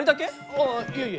ああいえいえ。